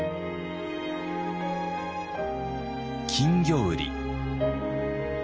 金魚売り。